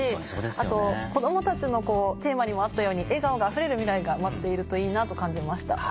あと子どもたちのテーマにもあったように笑顔があふれる未来が待っているといいなと感じました。